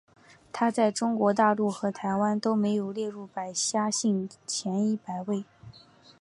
它在中国大陆和台湾都没有列入百家姓前一百位。